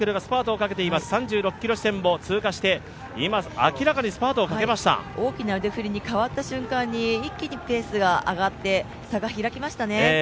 ３６ｋｍ地点を通過して今、明らかにスパートをかけました大きな腕振りに変わった瞬間に一気にペースが上がって差が開きましたね。